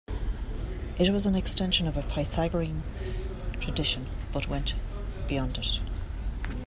It was an extension of a Pythagorean tradition but went beyond it.